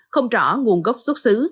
không rõ nguồn gốc xuất xứ